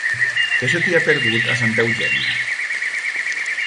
Què se t'hi ha perdut, a Santa Eugènia?